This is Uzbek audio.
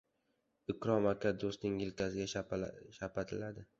Ikrom aka do‘stining elkasiga shapatiladi.